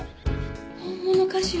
本物かしら？